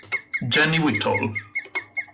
Jenny Whittle